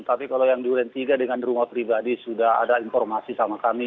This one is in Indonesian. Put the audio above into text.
tapi kalau yang di uren tiga dengan rumah pribadi sudah ada informasi sama kami